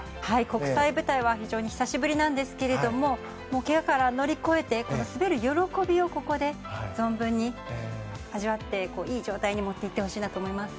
国際舞台は非常に久しぶりなんですがけがから乗り越えて滑る喜びをここで存分に味わっていい状態に持っていってほしいと思います。